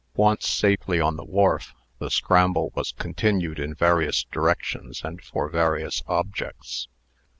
Once safely on the wharf, the scramble was continued in various directions and for various objects.